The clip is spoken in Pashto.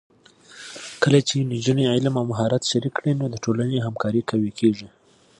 کله چې نجونې علم او مهارت شریک کړي، نو د ټولنې همکاري قوي کېږي.